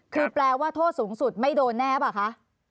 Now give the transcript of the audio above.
คือแปลว่าโทษสูงสุดไม่โดนแน่ป่ะคะ